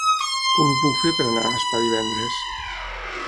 Com ho puc fer per anar a Aspa divendres?